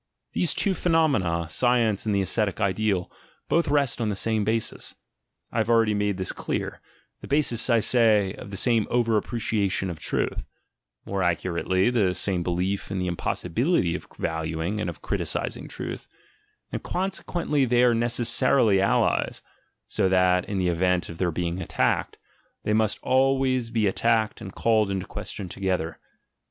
These two phenomena, science and the ascetic ideal, both rest on the same basis — I have already made this clear — the basis, I say, of the same over appreciation of truth (more accurately the same belief in the impossibility of valuing and of criticising truth), and consequently they are necessarily allies, so that, in the event of their being attacked, they must always be attacked and called into question together.